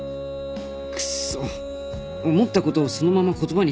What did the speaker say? くっそ思ったことをそのまま言葉にできたら